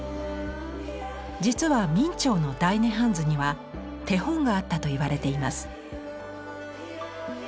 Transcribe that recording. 実は明兆の「大涅槃図」には手本があったと言われています。